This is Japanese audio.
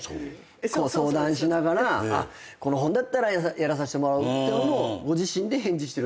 相談しながらこの本だったらやらせてもらうっていうのもご自身で返事してるってこと？